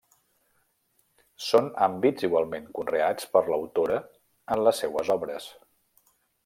Són àmbits igualment conreats per l'autora en les seues obres.